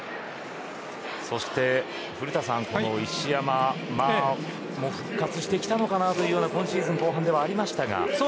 そして、古田さんこの石山復活してきたのかなというような今シーズン後半ではありましたが。